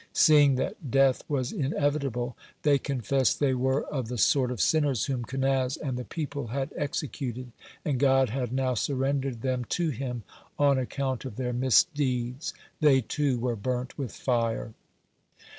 Seeing that death was inevitable, they confessed they were of the sort of sinners whom Kenaz and the people had executed, and God had now surrendered them to him on account of their misdeeds. They, too, were burnt with fire.